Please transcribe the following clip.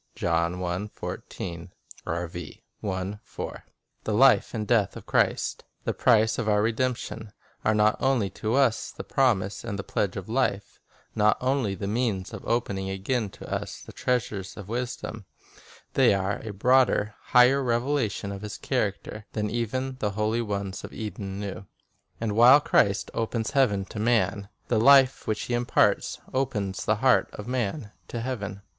2 The life and the death of Christ, the price of our redemption, arc not only to us the promise and pledge of life, not only the means of opening again to us the treasures The Highest ,. i i • i i r tt Revelation ofwisdom: they are a broader, higher revelation of His character than even the holy ones of Eden knew. And while Christ opens heaven to man, the life which He imparts opens the heart of man to heaven.